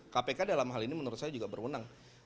kpk dalam hal ini menurut saya juga berwenang